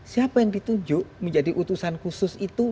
siapa yang ditunjuk menjadi utusan khusus itu